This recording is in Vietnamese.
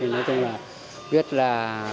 nói chung là biết là